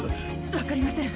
分かりません。